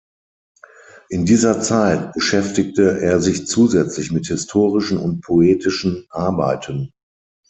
In dieser Zeit beschäftigte er sich zusätzlich mit historischen und poetischen Arbeiten.